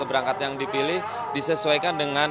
berangkat yang dipilih disesuaikan dengan